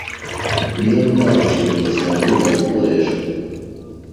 niyo ntwaro kirimbuzi yakunze gukoreshwa